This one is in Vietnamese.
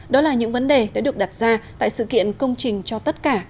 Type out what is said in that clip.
đó là những vấn đề đã được đặt ra tại sự kiện công trình cho tất cả